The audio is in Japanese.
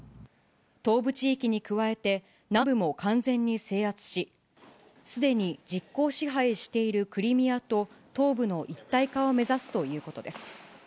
東部地域に加えて、南部も完全に制圧し、すでに実効支配しているクリミアと東部の一体化を目指すということです。